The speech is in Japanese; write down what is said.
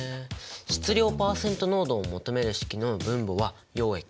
質量パーセント濃度を求める式の分母は溶液。